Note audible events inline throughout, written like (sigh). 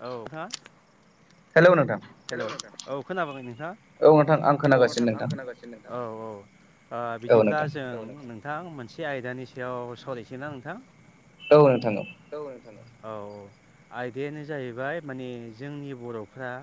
औ हा? हेल' नोंथां। हेल' औ खोनाबाय नोंथाङा औ नोंथां आं खोनागासिनो औ-औ बिदिब्ला जों नों नोंथां मोनसे आयदानि सायाव सरायनोसैना नोंथां औ नोंथां औ औ नोंथां औ-औ आयदायानो जाहैबाय माने जोंनि बर'फ्रा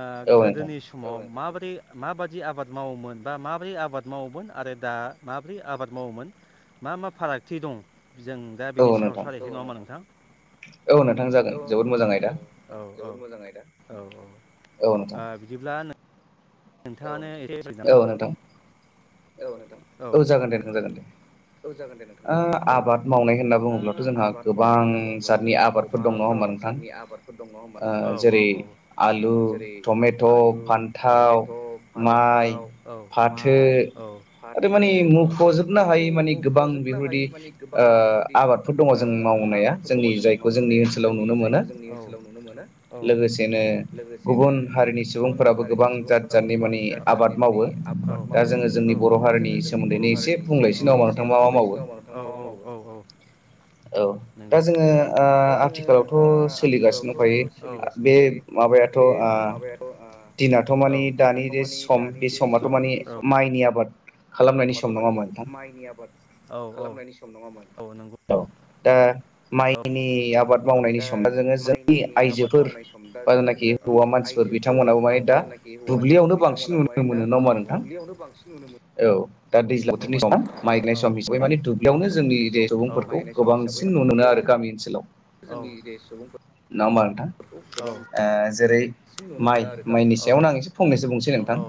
आ गोदोनि स समाव माबोरै माबादि आबाद मावोमोन बा माबोरै आबाद मावोमोन आरो दा माब्रै आबाद मावोमोन मा मा फारागथि दं जों दा बिनि सायाव सावरायसै नङा‌ ओमबा नोंथां औ नोंथां जागोन जोबोद मोजां आयदा औ-औ जोबोद मोजां आयदा औ-औ बिदिब्ला नों नोंथाङानो एसे बजाना औ नोंथां औ जागोन दे नोंथां जागोन दे औ जागोन दे नों आबाद मावनाय होनना बुङोब्लाथ' जोंहा गोबां जादनि आबाद गोबां जादनि आबादफोर दङ होमबा नोंथां औ-औ जेरै आलु ओ टमेट' ओ फाथाव औ माइ औ आरो मानि मख'जोबनो हायै मानि गोबां बेफोरबायदि आबाद बेफोर दङ जों मावनाया जोंनि जायखौ जोंनि ओनसोलाव नुनो मोना लोगोसेनो गुबुन हारिनि सुबुंफोराबो गोबां जात गोबां जाद जादनि माने आबाद मावो जोंनि बर' हारिनि सोमोन्दैनि एसे बुंलायसै नङा होमबा नोंथां औ-औ-औ नंगौ औ दा जोङो ओ आथिखालावथ' सोलिगासिनो दंखायो बे माबायाथ' ओ दिनाथ' मानि दानि जे सम बे माइनि आबाद माने माइनि आबाद औ औ खालामनायनि सम नङा होनबा नोंथां औ दा माइनि आबाद मावनायनि सम बा जोङो जोंनि आइजोफोर बा जेनाखि हौवा मानसिफोर बिथांमोनाबो माने दा दुब्लियावनो बांसिन नुनो मोनो नङा होमबा नोंथां? औ दा दैज्ला बोथोरनि सम माइ गायनायनि सम हिसाबै माने दुब्लियावनो जोंनि जे सुबुंफोरखौ गोबांसिन नुनो मोनो आरो गामि ओनसोलाव औ जोंनि इरियानि सुबुंफोर नङा होमबा नोंथां आ जेरै माइ माइनि सायावनो आं एसे फंनैसो बुंनोसै नोंथां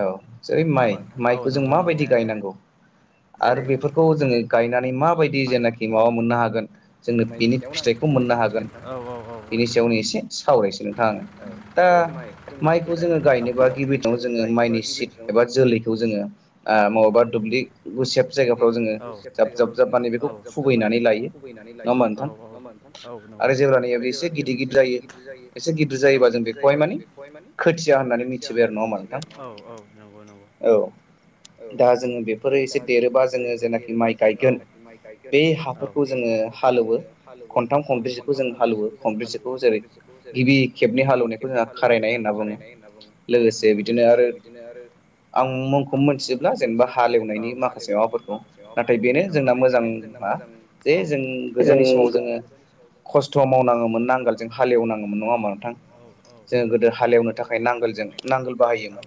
औ जेरै माइ माइखौ जों माबायदि गायनांगौ आरो बेफोरखौ जोङो गायनानै माबायदि जेनाखि माबा मोननो हागोन जोंनो बेनि फिथाइखौ मोननो हागोन बेनि सायावनो एसे सावरायसै नोंथां आं। दा माइखौ जोङो गायनोबा गिबि दनाव जोङो माइनि सिट एबा जोलै खौ जोङो आ मबेबा दुब्लि गुसेब जायगाफ्राव जोङो जाब जाब जाबमाने बेखौ खुबैनानै लायो नङा होमा नोंथां? आरो जेबब्लानिया बे एसे गिदिर गिदिर जायो एसे गिदिर जायोबा जों बेखौहाय माने खोथिया होननानै मिथिबाय आरो नाङा होमबाथ औ नोंथां? औ नंगौ नंगौ औ जोङो बेफोरो एसे देरोबा जोङो जेनाखि जेनेबा जोङो जेनाखि माइ गायगोन बे हाफोरखौ जोङो हाल एवो खनथाम खनब्रैसोखौ जों हाल एवो खनब्रैसेखौ जेरै गिबि खेबनि हालौवनायखौ जोंहा खारायनाय होनना बुङो। औ नंगौ लोगोसे बिदिनो आरो आं मुंखौ मोनथियोब्ला जेनेबा हालेवनायनि माखासे माबाफोरखौ नाथाय बेनो जोंना मोजांआ जे जों गोदोनि समाव जोङो खस्थ' मावनाङोमोन नांगोलजों हाले एवनाङोमोन नङा होमा नोंथां जोङो गोदो हाले एवनो थाखाय नांगोलजों नांगोल बाहायोमोन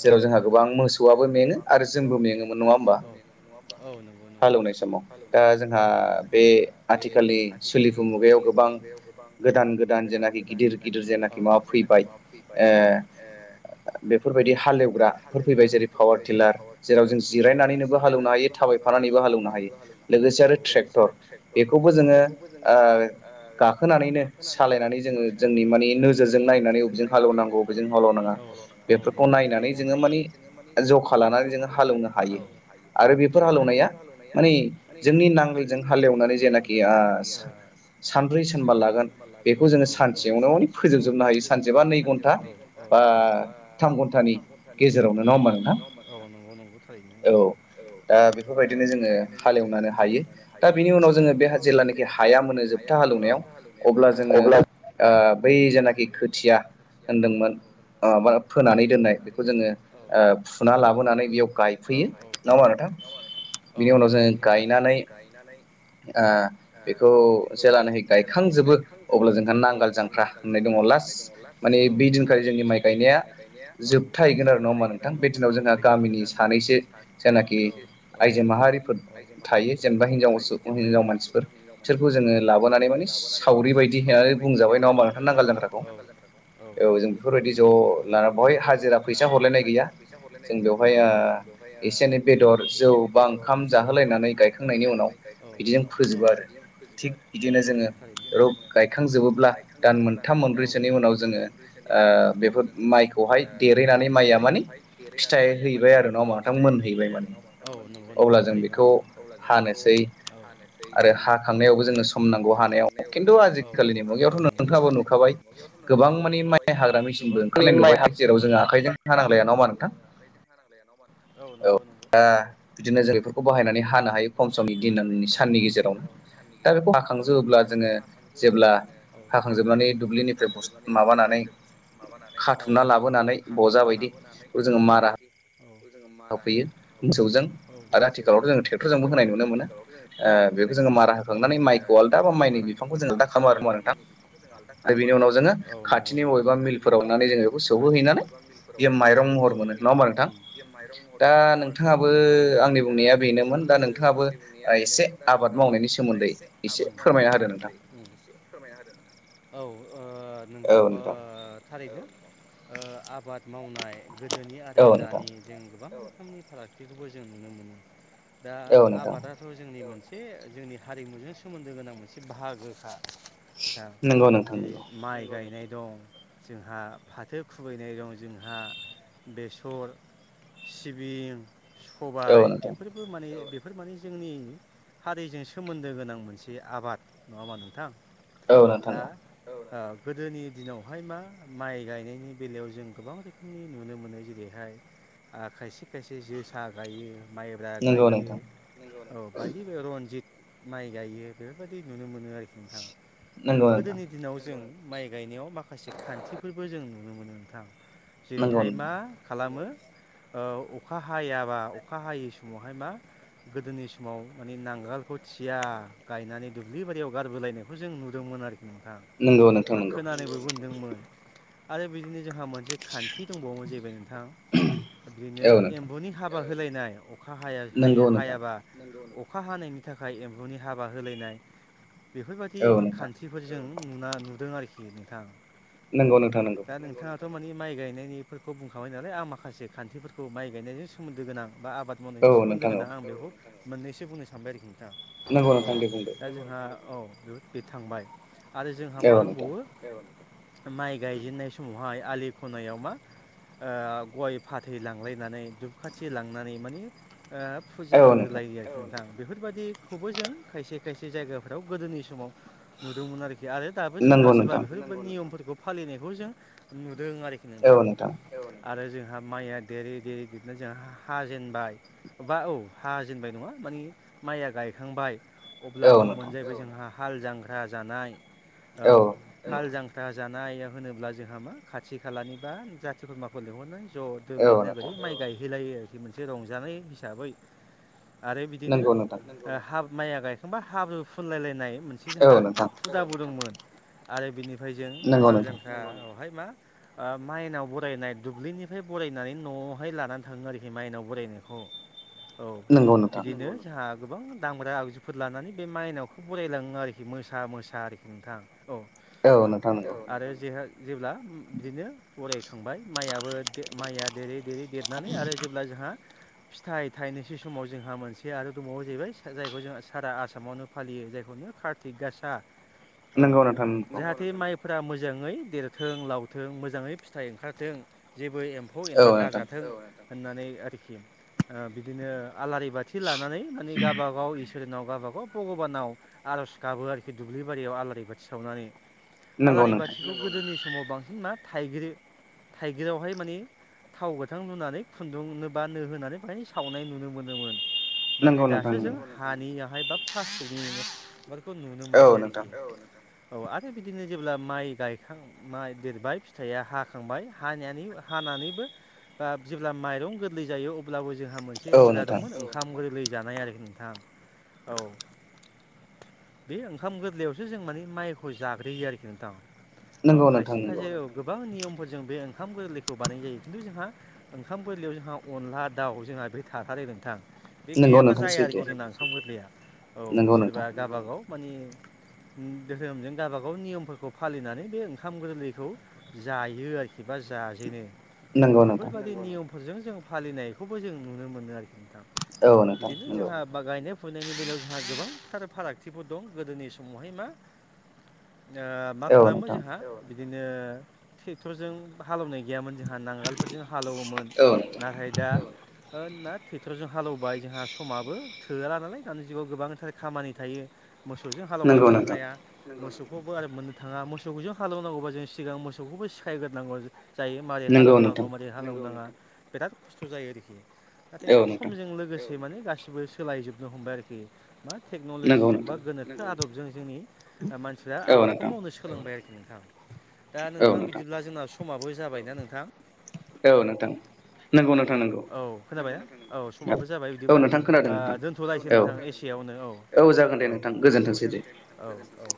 जेराव जोंहा गोबां मोसौआबो मेङो आरो मोसौ आबो मेङो आरो जोंबो मेङो नङा होमबा औ नोंगौ हालनाय समाव दा जोंहा बे आथिखालनि सोलिफु मुगायाव गोबां गोदान गोदान जेनाखि गिदिर गिदिर जेनाखि माबा फैबाय ओ बेफोरबायदि हालेवग्राफोर फैबाय जेरै पावार टिलार जेराव जों जिरायनानैनोबो हालेवनो हायो। हालौवनो हायो थाबायफानानैबो हालेवनो हायो लोगोसे आरो ट्रेक्टर बेखौबो जोङो गाखोनानैनो सालायनानै जोङो जोंनि मानि नोजोरजों नायनानै बबेजों हालेवनांगौ बबेजों हालेवनाङा बेफोरखौ नायनानै जोङो मानि जखा लानानै जोङो जखा लानानै जोङो हालेवनो हायो आरो बेफोर हालेवनाया माने जोंनि नांगोलजों हालेवनानै जेनाखि आ सानब्रै सानबा लागोन बेखौ जोङो सानसेयावनो माने फोजोबजोबनो हायो सानसेबा नै घन्टा औ औ बा थाम घन्टानि गेजेरावनो नङा हबा औ नोंथां नंगौ नंगौ थारैनो औ दा बेफोरबायदिनो जोङो हालेवनानै हायो दा बेनि उनाव जोङो बेहा जेलानिखि हाया मोनो जोब था हालौवनायाव अब्ला जोङो ओ बै जेनाखि खोथिया होनदोंमोन। बा फोनानै दोननाय बेखौ जोङो ओ फुना लाबोनानै बेयाव गायफैयो नाङा होमबा नोंथां? नङा होमबा नोंथां? औ औ नोंगौ नोंगौ जेखौ जों गायनानै आ बेखौ जेबानिखि गायखांजोबो अब्ला जोंहा नांगोल जांख्रा होननाय होननाय दङ लास औ औ माने बे दिनखालि जोंनि माइ गायनाया औ औ ना हा नोंथां बे दिनाव जोंहा गामिनि सानैसो जायनाखि आइजो माहारिफोर थायो जेनेबा हिनजावस हिनजाव मानसिफोर बिसोरखौ जोङो लाबोनानै माने सावरि बादि होननानै बुंजाब नङा होनबा नोंथां नांगाल जोन ख्राखौ औ जों बेफोरबायदि ज' लाना बवहाय हाजिरा फैसा हरलायनाय गैया फैसा हरलायनाय गैया औ औ बेवहाय एसे एनै बेदर जौ बा ओंखाम जाहोलायनानै गायखांनायनि उनाव बिदिजों फोजोब थिग बिदिनो जोङो रग गायखांजोबोब्ला दान मोनथाम मोन खब्रैसोनि उनाव जोङो बेफोर माइखौहाय देरहैनानै माइया माने देरहैनानै माइया मानिे फिथाइ हैबाय आरो नंङा होनबा नोंथां। अब्ला जों बेखौ हानोसै आरो हाखांनायावबो जोङो समनांगौ हानाय आजिखालिनि थ' नोंथां (unintelligible) नखाबाय गोबां म माइ हा औ नंगौ नंगौ औ बिदिनो जों बेफोरखौ बाहायनानै हानो हायो खम समनि दिननि साननि गेजेरावनो दा बेखौ हाखांजोबोब्ला जोङो जेब्ला हाखांजोबनानै दुब्लिनि ओमफ्राय बस माबानानै खाथुमना लाबोनानै बजा बायदि बे जोङो मारा हफैयो मोसौजों औ मोसौजों आथिखालावथ' जोङो ट्रेक्टरजोंबो होनाय नुनो मोनो बेखौ जोङो मारा थांनानै माइखौ आलदाबा माइनि बिफांखौ जों आलादा खालाम आरो नंडा होनबा नोंथां औ नंगौ नंगौ आरो बेनि उनाव जोङो खाथिनि बबेबा मिलफोराव लांनानै जों बेखौ सौहोहैनानै ओ (inaudible) नंग नंग दा नोंथाङाबो आंनि बुंनाया बेनोमोन दा नोंथाङाबो एसे आबाद मावनायनि सोमोन्दै एसे फोरमायना होदो नोंथां ओ नंगौ ओ थारैनो ओ आबाद मावनाय गोदोनि आरो दानि जों गोबां रोखोमनि फारागथिखौबो जों नुनो मोनो दा आबादा थ' जोंनि मोनसे जोंनि हारिमुजों सोमोन्दो गोनां मोनसे बाहागोखा दा नंगौ नों जेरै माइ गायनाय दं जोंहा फाथो खुबैनाय दं जोंहा बेसर सिबिं सबाय बेफोरबो माने बेफोर माने जोंनि हारिजों सोमोन्दो गोनां मोनसे आबाद नङा होमबा नोंथां दा गोदोनि दिनावहाय मा माइ गायनायनि बेलायाव जों गोबां रोखोमनि नुनो मोनो जेरै हाय खायसे खायसे जोसा गायो माइब्रा गायो नंगौ औ बायदि रनजित माइ गायो बेफोरबायदि नुनो मोनो आरोखि नोंथाङा दा गोदोनि दिनाव जों माइ गायनायाव माखासे खान्थिफोरबो जों नुनो मोनो नोंथां। जेरैहाय मा खालामो अखा हायाबा अखा हायै समावहाय मा गोदोनि समाव माने नांगोलखौ थिया गायनानै दुब्लि बारियाव गारबोलायनायखौ जों नुदोंमोन आरोखि। नोंथां नोंगौ नों ओ खोनानोबो मोनदोंमोन आरो बिदिनो जोंहा मोनसे खान्थि दंबावोमोन जाहैबाय नोंथां। बिदिनो एम्बुनि हाबा होलायनाय अखा हाया हा-हायाबा नंगौ अखा हानायनि थाखाय एम्फौनि हाबा होलायनाय बेफोरबायदि खान्थि फोरजों नुना नुदों आरोखि नोंथां औ दा नोंथाङा थारमानि माइ गायनायनिफोरखौ बुंखाबाय नालाय आं माखासे खान्थिफोरखौ माइ गायनायजों सोमोन्दो गोनां बा आबाद मावनायजों सोमोन्दो गोनां आं बेखौ मोननैसो बुंनो सानबाय आरोखि नोंथां। नांगौ नोथां दे बुंदो। जोंहा औ बेबो बे थांबाय आरो जोंहा मा दंबावो माइ गायजेननाय समावहाय आलि खनायाव मा आ गय फाथै लांलायनानै दुब खाथि लांनानै माने ओ फुजा होग्रोलायायो नोंथां। बेफोरबायादिखौबो जों खायसे खायसे जायगाफ्राव गोदोनि समाव नुदोंमोन आरोखि आरो दाबो सोरबा सोरबा बेफोर नियमफोरखौ फालिनायखौ जों नुदों आरोखि नोंथां। आरो जोंहा माइया देरै देरै बिदिनानै जोंहा हाजेनबाय। बा औ हाजेनबाय नङा माने माइया गायखांबाय अब्ला दंमोन जाहैबाय जोंहा हाल जांगग्रा जानाय औ हाल जां ना जानाय होनोब्ला जोंहा मा खाथि खालानि बा जाथि खुरमाखौ लेंहरनानै ज' दोलोैै नोगोरै माइ गायहैलायो आरोखि मोनसे रंजानाय हिसाबै आरो बिदिनो हा- माइया गायखांबा हाब्रु फुलायलायनाय मोनसे जोंहा फुजा दंमोन आरो बिनिफ्राय जों हाल जांखायावहाय मा ओ माइनाव बरायनाय दुब्लिनिफ्राय बरायनानै न'आवहाय लानानै थाङो आरोखि माइनाव बरायनायखौ औ बिदिनो जोंहा गोबां दामग्रा आगजुफोर लानानै बे माइनावखौ बरायलाङो आरोखि मोसा मोसा आरोखि नोंथां औ औ आरो जेहा जेब्ला बिदिनो बराय खांबाय माइआबो दे माइया देरै देरै देरनानै आरो जेब्ला जोंहा फिथाइ थाइनैसो समाव जोंहा मोनसे आरो दंबावो जाहैबाय जायखौ जों सारा आसामावनो फालियो जायखौनो कार थि गासा (inaudible) जाहाथे माइ फोरा मोजाङै देरथों लावथों मोजाङै फिथाइ ओंखारथों जेबो एम हाखौ एनला दाजाथों होननानै आरोखि ओ बिदिनो आलारि बाथि लानानै माने गावबा गावोर नाव गावबा गाव भगबानाव आर'ज गाबो आरोखि दुब्लि बारियाव आलारि बाथि सावनानै आलारि बाथिखौ गोदोनि समाव बांसिन मा थाइगिर थाइगिरयावहाय माने थाव गोथां लुनानै खुन्दुंनो बा नो होनानै बहाय सावनाय नुनो मोनोमोन नाथाय दासो जों हानियावहाय बा फास्नि मफोरखौ नुनो मोनसै आरोखि औ आरो बिदिनो जेब्ला माइ गायखां माइ देरबाय फिथाइया हाखांबाय हानानै हानानैबो ओ जेब्ला माइरं गोरलै जायो अब्लाबो जोंहा मोनसे हुदा दंमोन ओंखाम गोरलै जानाय आरोखि नोंथां औ बे ओंखाम गोरलैयावसो जों माने माइखौ जाग्रोयो आरोखि नोंथां औ खायसे खायसे औ गोबां नियमफोरजों बे ओंखाम गोरलैखौ बानाय जायो खिन्थु जोंहा ओंखाम गोरलैयाव जोंहा अनला दाउ जोंहा बेहाय थाखारो नोंथां बे गैयाबा जाया आरोखि जोंना ओंखाम गोरलैया औ सोरबा गबागाव माने धोरोमजों गावबा गाव नियमफोरखौ फालिनानै बे ओंखाम गोरलैखौ जायो आरोखि बा जाजेनो औ बेफोरबायादि नियमफोरजों जों फालिनायखौबो जों नुनो मोनो आरोखि नोंथां बिदिनो जोंहा बा गायनाय फुनायनि बेलायाव जोंहा गोबांथार फारागथिफोर दं गोदोनि समावहाय मा ओ मा खालामो जोंहा बिदिनो ट्रेक्टरजों हालेवनाय गैयामोन जोंहा नांगोलफोरजों हालौवोमोन औ नाथाय दा ना ट्रेक्टरजों हालेवबाय जोंहा समाबो थोआला नालाय दानि जुगआव गोबांथार खामानि थायो मोसौजों हालेवबाय थानो हाया मोसौखौबो आरो मोननो थाङा मोसौखौ जों हालेवनांगौबा जों सिगां मोसौखौबो सिखायग्रोनांगौ जायो मारै हालेवनांगौ माबारै हालेवनाङा बिराद खस्थ' जायो आरोखि नाथाय दा समजों लोगोसे माने गासिबो सोलायजोबनो हमबाय आरोखि मा टेक्न'लजि जुग बा गोनो आदबजों जोंनि मानसिफ्रा आबादखौ मावनो सोलोंबाय आरोखि नोंथां दा नोंथां बिदिब्ला जोंना समाबो जाबायना नोंथां औ नोंथां। औ खोनाबाय औ समाबो जाबाय बिदिब्ला सलायसै नोंथां एसे आवनो औ औ औ औ औ